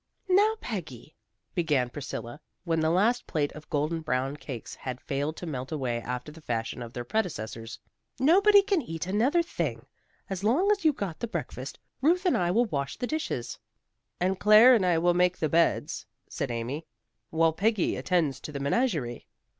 "Now, Peggy," began Priscilla, when the last plate of golden brown cakes had failed to melt away after the fashion of their predecessors, "nobody can eat another thing. As long as you got the breakfast, Ruth and I will wash the dishes." "And Claire and I will make the beds," said Amy, "while Peggy attends to the menagerie."